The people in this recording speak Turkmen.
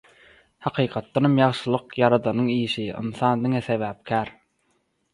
Hakykatdanam ýagşylyk Ýaradanyň işi, ynsan diňe sebäpkär.